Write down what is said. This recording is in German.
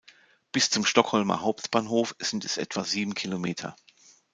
Bis zum Stockholmer Hauptbahnhof sind es etwa sieben Kilometer.